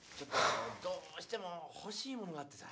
・どうしてもほしいものがあってさ。